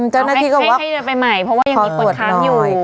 เจ้าหน้าที่ก็บอกขอตรวจน้อย